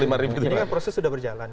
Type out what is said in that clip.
jadi kan proses sudah berjalan